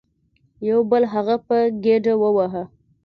یو بل هغه په ګیډه وواهه.